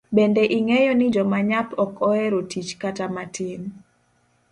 Bende ingeyo ni joma nyap ok oero tich kata matin.